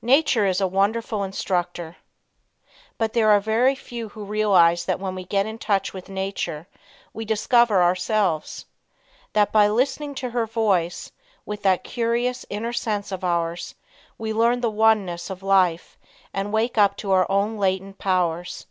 Nature is a Wonderful Instructor. But there are very few who realize that when we get in touch with nature we discover ourselves. That by listening to her voice, with that curious, inner sense of ours, we learn the oneness of life and wake up to our own latent powers.